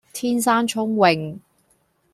天生聰穎